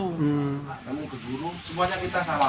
kami ke guru semuanya kita salaman